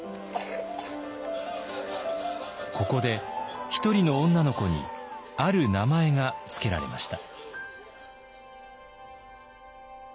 ここで一人の女の子にある名前が付けられました。